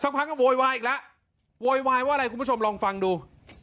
พักก็โวยวายอีกแล้วโวยวายว่าอะไรคุณผู้ชมลองฟังดู